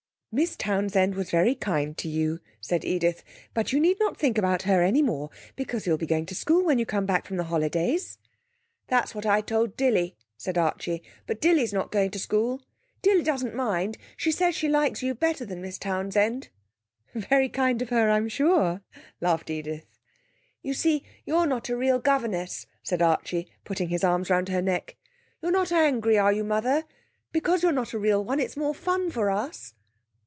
'Miss Townsend was very kind to you,' said Edith. 'But you need not think about her any more, because you will be going to school when you come back from the holidays.' 'That's what I told Dilly,' said Archie. 'But Dilly's not going to school. Dilly doesn't mind; she says she likes you better than Miss Townsend.' 'Very kind of her, I'm sure,' laughed Edith. 'You see you're not a real governess,' said Archie, putting his arm round her neck. 'You're not angry, are you, mother? Because you're not a real one it's more fun for us.'